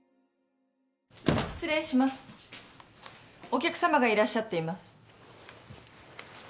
お客さまがいらっしゃっています。